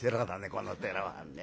この寺はね。